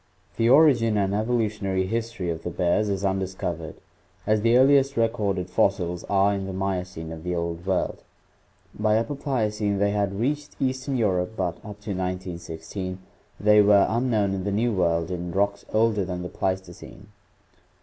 The origin and evolutionary history of the bears is undiscovered, as the earliest recorded fossils are in the Miocene of the Old World; by Upper Pliocene they had reached eastern Europe but up to 191 6 they were unknown in the New World in rocks older than the Pleistocene.